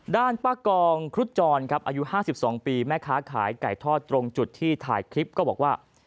ด้านป้ากองครุฑจรครับอายุ๕๒ปีแม่ค้าขายไก่ทอดตรงจุดที่ถ่ายคลิปก็บอกว่า